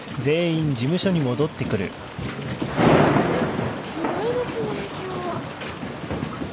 ・すごいですね今日。